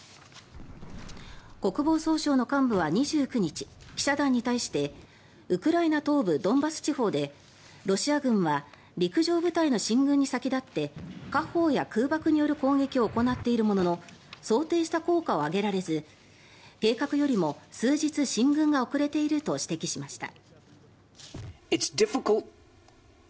国防総省の幹部は２９日記者団に対してウクライナ東部ドンバス地方でロシア軍は陸上部隊の進軍に先立って火砲や空爆による攻撃を行っているものの想定した効果を上げられず計画よりも数日進軍が遅れていると指摘しました。